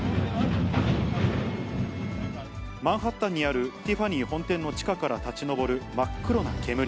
マンハッタンにあるティファニー本店の地下から立ち上る真っ黒な煙。